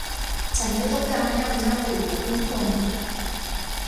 ฉันไม่ต้องการให้อำนาจอยู่เหนือผู้คน